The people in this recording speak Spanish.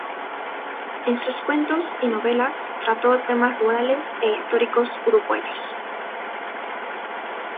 En sus cuentos y novelas trató temas rurales e históricos uruguayos.